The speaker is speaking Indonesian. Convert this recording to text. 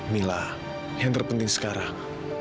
mila yang terpenting sekarang